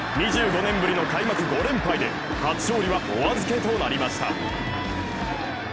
２５年ぶりの開幕５連敗で初勝利はお預けとなりました。